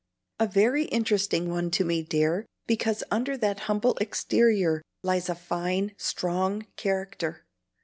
"A very interesting one to me, dear, because under that humble exterior lies a fine, strong character.